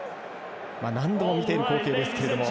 何度も見ている光景ですけれども